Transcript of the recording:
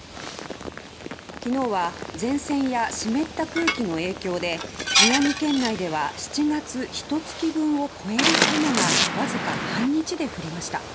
昨日は前線や湿った空気の影響で宮城県内では７月ひと月分を超える雨がわずか半日で降りました。